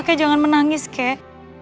kakek jangan menangis kek